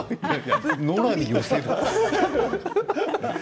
ノラに寄せた。